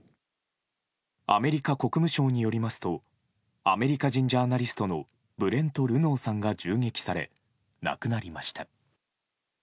アメリカ国務省によりますとアメリカ人ジャーナリストのブレント・ルノーさんが銃撃され、亡くなりました。